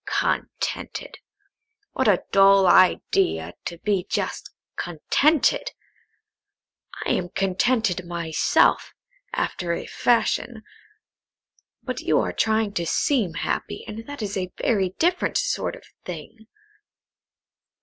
"Contented! what a dull idea, to be just contented! I am contented myself, after a fashion; but you are trying to seem happy, and that is a very different sort of thing."